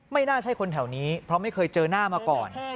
น่าใช่คนแถวนี้เพราะไม่เคยเจอหน้ามาก่อน